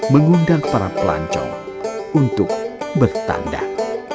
mengundang para pelancong untuk bertandang